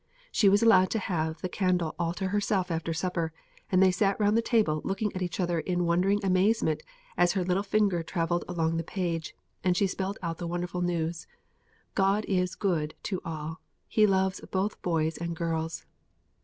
She was allowed to have the candle all to herself after supper, and they sat round the table looking at each other in wondering amazement as her little finger travelled along the page, and she spelt out the wonderful news, "'God is good to all: He loves both boys and girls.'